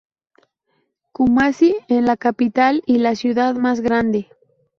Kumasi es la capital y la ciudad más grande.